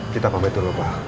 kita pambah dulu pak